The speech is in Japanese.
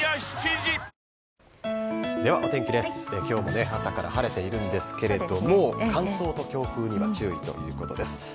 きょうも朝から晴れているんですけれども、乾燥と強風には注意ということです。